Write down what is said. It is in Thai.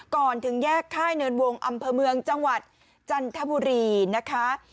ก่อนถึงแยกค่ายเนินวงอำเภอเมืองจังหวัดจันทบุรีนะคะ